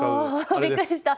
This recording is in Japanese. あびっくりした。